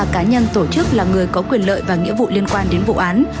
năm mươi ba cá nhân tổ chức là người có quyền lợi và nghĩa vụ liên quan đến vụ án